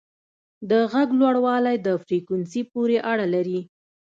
د غږ لوړوالی د فریکونسي پورې اړه لري.